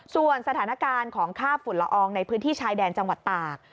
ส่วนสถานการณ์ของค่าฝุ่นละอองในพื้นที่ชายแดนจังหวัดตาก